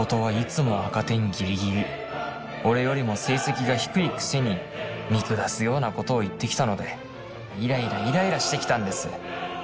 俺よりも成績が低いくせに見下すようなことを言ってきたのでイライライライラしてきたんです。